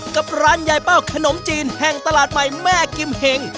กับร้านยายเป้าขนมจีนแห่งตลาดใหม่แม่กิมเห็ง